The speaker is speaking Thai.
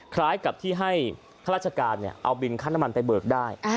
คล้ายกับที่ให้ข้าราชการเอาบินค่าน้ำมันไปเบิกได้